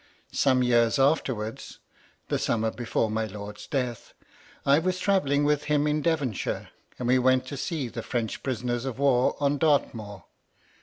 Some years afterwards — the summer before my lord's death — I was travelling with him in Devonshire, and we went to see the French prisoners of war on Dartmoor.